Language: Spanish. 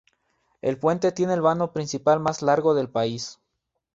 El puente tiene el vano principal más largo en el país.